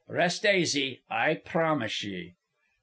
Rest aisy. I promise ye."